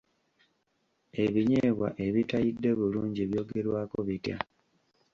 Ebinyeebwa ebitayidde bulungi byogerwako bitya?